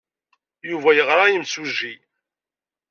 Yuba yeɣra i yimsujji.